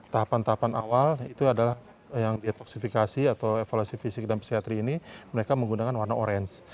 tahapan tahapan awal itu adalah yang detoksifikasi atau evaluasi fisik dan psiatri ini mereka menggunakan warna orange